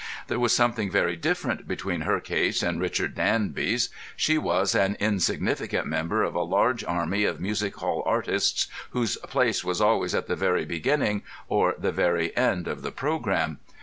There was something very different between her case and Richard Danby's. She was an insignificant member of a large army of music hall artistes whose place was always at the very beginning or the very end of the programme.